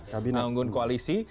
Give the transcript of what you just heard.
kang gunggun koalisi